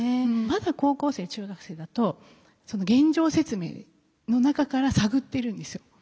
まだ高校生中学生だと現状説明の中から探ってるんですよ。